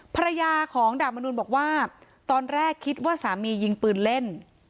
ภรรยาของดาบมนุนบอกว่าตอนแรกคิดว่าสามียิงปืนเล่น